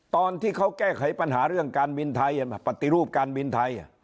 ตอนที่เขาแก้ไขปัญหาเรื่องการบินไทยปฏิรูปการบินไทย